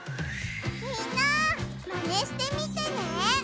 みんな！マネしてみてね！